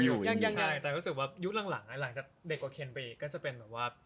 ยังยุคหลังหลังจากเด็กกว่าเคนไปอีกก็จะเป็นว่า